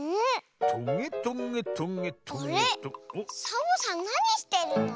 サボさんなにしてるの？